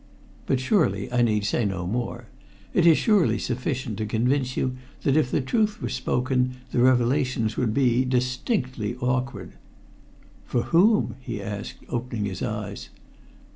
But surely I need say no more. It is surely sufficient to convince you that if the truth were spoken, the revelations would be distinctly awkward." "For whom?" he asked, opening his eyes.